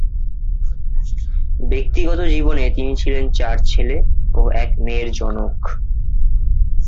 ব্যক্তিগত জীবনে তিনি ছিলেন চার ছেলে ও এক মেয়ের জনক।